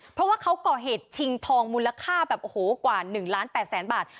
เพราะว่าเขาก่อเหตุชิงทองมูลค่าแบบโอ้โหกว่า๑ล้าน๘แสนบาท